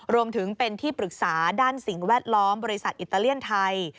รวมถึงเป็นที่ปรึกษาด้านสิ่งแวดล้อมบริษัทอิตาเลียนไทย